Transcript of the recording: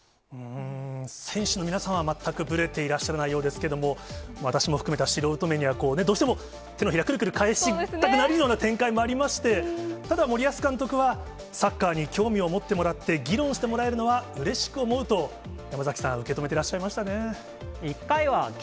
選手の皆さんは全くぶれていらっしゃらないようですけれども、私も含めた素人目には、どうしても手のひら、くるくる返したくなるような展開もありまして、ただ、森保監督は、サッカーに興味を持ってもらって、議論してもらえるのはうれしく思うと、山崎さん、受け止めてらっしゃいましたね。